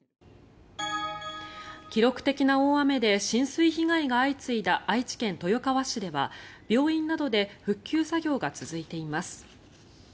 記録的な大雨で浸水被害が相次いだ愛知県豊川市では病院などで復旧作業が続いています。